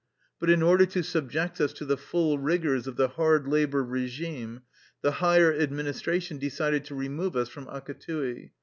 But in order to subject us to the full rigors of the hard labor regime the higher ad ministration decided to remove us from Akatui.